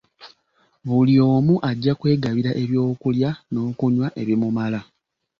Buli omu ajja kwegabira eby’okulya n’okunywa ebimumala.